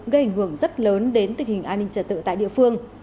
gây ảnh hưởng rất lớn đến tình hình an ninh trật tự tại địa phương